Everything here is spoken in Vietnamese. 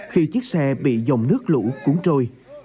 khi chiếc xe bị dòng nước lũ cuốn trôi